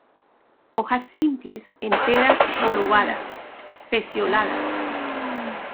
Hojas simples, enteras o lobadas; pecioladas.